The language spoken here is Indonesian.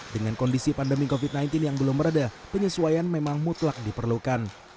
dengan kondisi pandemi covid sembilan belas yang belum meredah penyesuaian memang mutlak diperlukan